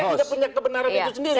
rai yang tidak punya kebenaran itu sendiri